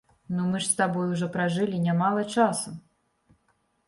Ну мы ж з табой ужо пражылі нямала часу.